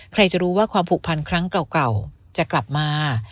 ใครจะรู้ว่าความผูกพันครั้งเก่าจะกลับมา